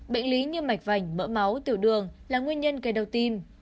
bệnh lý như mạch vành mỡ máu tiểu đường là nguyên nhân gây đau tim